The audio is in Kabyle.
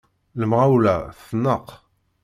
Lemɣawla tneqq.